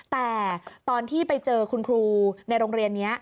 แต่ตอนที่ไปเจอคุณครูในโรงเรียนนี้